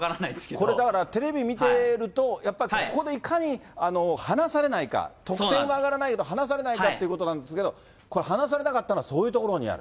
これ、だからテレビ見てると、やっぱり、ここでいかに離されないか、得点は上がらないけど離されないかってことなんですけど、これ離されなかったのは、そういうところにある。